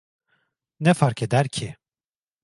Ne fark eder ki?